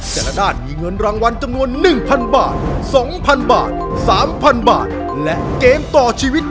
แต่ละด้านมีเงินรางวัลจำนวนหนึ่งพันบาทสองพันบาทสามพันบาทและเกมต่อชีวิต